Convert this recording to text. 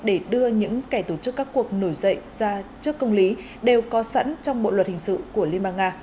để đưa những kẻ tổ chức các cuộc nổi dậy ra trước công lý đều có sẵn trong bộ luật hình sự của liên bang nga